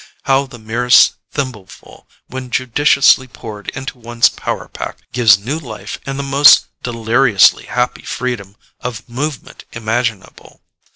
How the merest thimbleful, when judiciously poured into one's power pack, gives new life and the most deliriously happy freedom of movement imaginable.